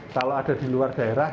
kalau ada di luar daerah